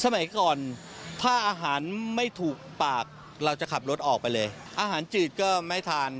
สมัยก่อนถ้าอาหารไม่ถูกปากเราจะขับรถออกไปเลยอาหารจืดก็ไม่ทาน